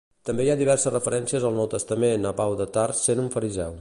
També hi ha diverses referències al Nou Testament a Pau de Tars sent un fariseu.